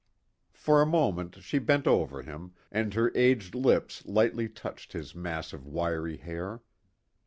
For a moment she bent over him, and her aged lips lightly touched his mass of wiry hair.